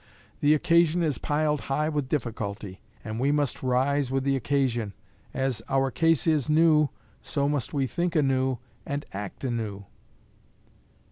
The occasion is piled high with difficulty, and we must rise with the occasion. As our case is new, so we must think anew and act anew.